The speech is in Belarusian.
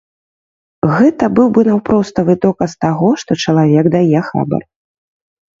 Гэта быў бы наўпроставы доказ таго, што чалавек дае хабар.